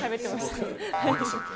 なんでしたっけ？